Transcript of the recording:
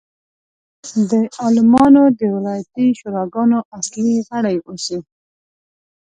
د عالمانو د ولایتي شوراګانو اصلي غړي اوسي.